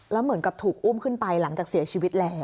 แล้วเหมือนกับถูกอุ้มขึ้นไปหลังจากเสียชีวิตแล้ว